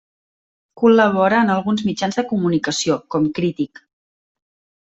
Col·labora en alguns mitjans de comunicació, com Crític.